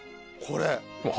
これ！